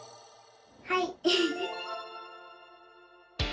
はい！